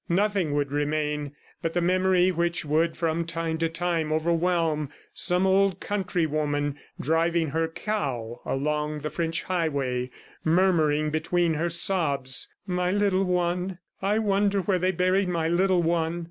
Nothing would remain but the memory which would from time to time overwhelm some old countrywoman driving her cow along the French highway, murmuring between her sobs. "My little one! ... I wonder where they buried my little one!"